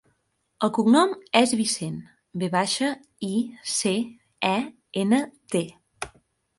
El cognom és Vicent: ve baixa, i, ce, e, ena, te.